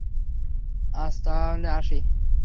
আজ তাহলে আসি।